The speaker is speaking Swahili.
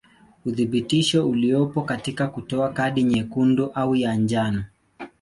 Uthibitisho uliopo katika kutoa kadi nyekundu au ya njano.